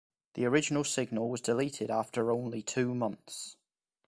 The original single was deleted after only two months.